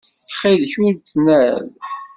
Ttxil-k, ur ttnal.